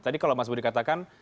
tadi kalau mas budi katakan